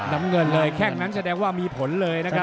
น้ำเงินเลยแค่งนั้นแสดงว่ามีผลเลยนะครับ